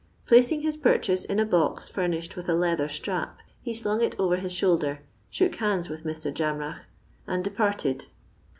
Placing his purchase in a box furnished with a leather strap, he slung it over his shoulder, shook hands with Mr. Jamrach, and departed.